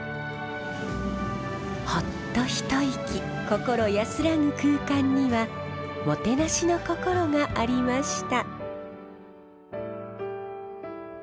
ほっと一息心安らぐ空間にはもてなしの心がありました。